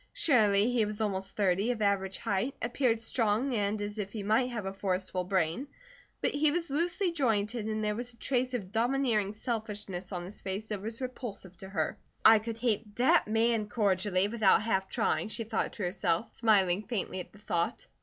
Surely he was almost thirty, of average height, appeared strong, and as if he might have a forceful brain; but he was loosely jointed and there was a trace of domineering selfishness on his face that was repulsive to her. "I could hate that MAN cordially, without half trying," she thought to herself, smiling faintly at the thought.